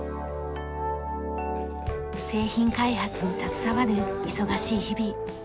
製品開発に携わる忙しい日々。